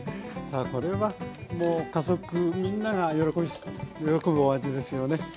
さあこれはもう家族みんなが喜ぶお味ですよね。